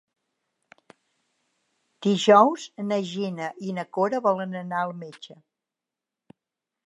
Dijous na Gina i na Cora volen anar al metge.